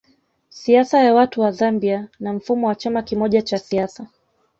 Siasa ya watu wa Zambia na mfumo wa chama kimoja cha siasa